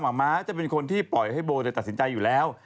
ม้าจะเป็นคนที่ปล่อยให้โบตัดสินใจอยู่แล้ว